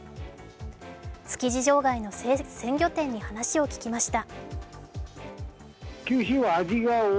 築地場外の鮮魚店に話を聞きました。